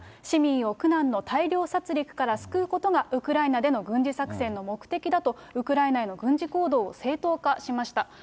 市民を苦難の大量殺りくから救うことがウクライナでの軍事作戦の目的だと、ウクライナへの軍事行動を正当化しました。